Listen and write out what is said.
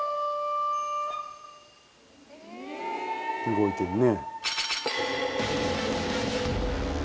動いてるね。